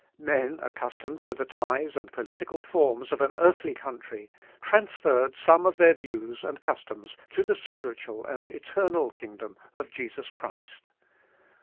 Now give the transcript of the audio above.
Men accustomed to the ties and political forms of an earthly country, transferred some of their views and customs to the spiritual and eternal kingdom of Jesus Christ.